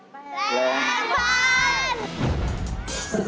แรงฟัน